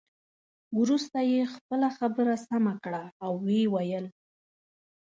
وروسته یې خپله خبره سمه کړه او ويې ویل.